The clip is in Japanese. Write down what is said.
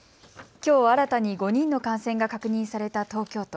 きょう新たに５人の感染が確認された東京都。